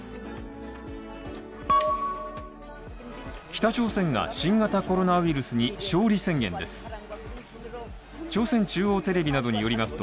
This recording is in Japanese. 北朝鮮が新型コロナウイルスに勝利宣言です。